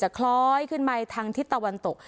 คล้อยขึ้นไปทางทิศตะวันตก